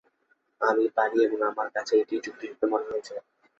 আমি পারি, এবং আমার কাছে এটিই যুক্তিযুক্ত মনে হয়েছে।